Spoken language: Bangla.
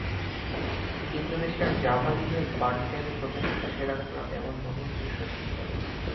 ইন্দোনেশিয়ার জাভা দ্বীপের বানটেন প্রদেশের সেরাং গ্রামে এমন মধুর দৃশ্য চোখে পড়ে।